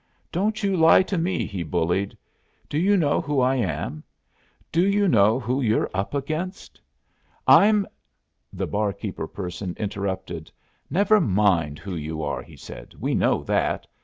"Don't you lie to me!" he bullied. "Do you know who I am? Do you know who you're up against? I'm " The barkeeper person interrupted. "Never mind who you are," he said. "We know that.